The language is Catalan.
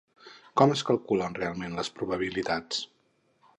Com es calculen realment les probabilitats?